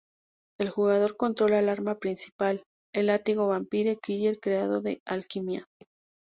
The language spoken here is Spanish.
El jugador controla el arma principal, el látigo Vampire Killer creado de Alquimia.